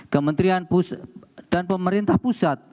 kementerian dan pemerintah pusat